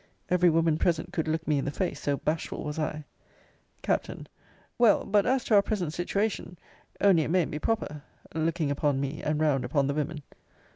Every woman present could look me in the face, so bashful was I. Capt. Well, but as to our present situation only it mayn't be proper looking upon me, and round upon the women.